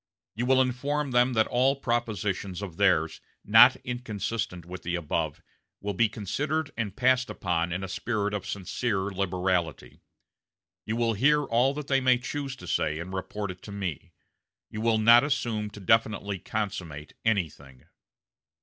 You will inform them that all propositions of theirs, not inconsistent with the above, will be considered and passed upon in a spirit of sincere liberality. You will hear all they may choose to say, and report it to me. You will not assume to definitely consummate anything."